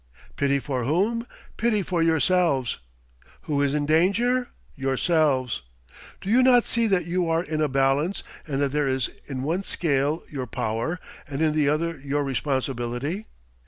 Pity for whom? Pity for yourselves. Who is in danger? Yourselves! Do you not see that you are in a balance, and that there is in one scale your power, and in the other your responsibility?